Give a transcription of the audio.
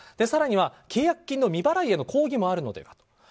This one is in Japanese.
更には契約金への未払いの抗議もあるのではと。